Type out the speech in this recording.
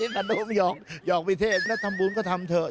พี่พะนุมหยอกพิเภกหรือทำบุญก็ทำเถอะ